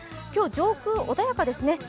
今日、上空、穏やかですね。